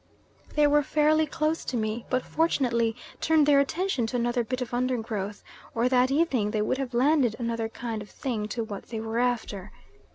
They were fairly close to me, but fortunately turned their attention to another bit of undergrowth, or that evening they would have landed another kind of thing to what they were after.